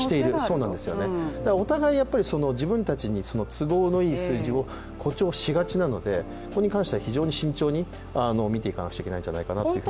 そうなんですよね、お互い自分たちに都合のいい数字を誇張しがちなのでここに関しては非常に慎重に見ていかなくちゃいけないんじゃないかなと思います。